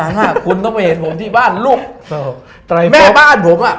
โหน้งค์๓๕คุณต้องมาเห็นผมที่บ้านลูกแม่บ้านผมอ่ะ